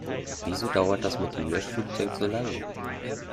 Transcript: Wieso dauert das mit dem Löschflugzeug so lange?